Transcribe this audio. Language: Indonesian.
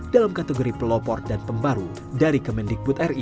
dalam kategori pelopor dan pembaru dari kemendikbud ri